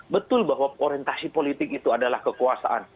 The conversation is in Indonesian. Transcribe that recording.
betul bahwa orientasi politik itu adalah kekuasaan